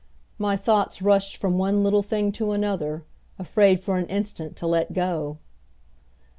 My thoughts rushed from one little thing to another, afraid for an instant to let go.